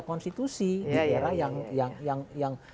konstitusi di era yang